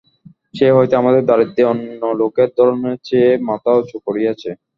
সেই হইতে আমাদের দারিদ্র্যই অন্য লোকের ধনের চেয়ে মাথা উঁচু করিয়াছে।